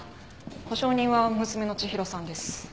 保証人は娘の千尋さんです。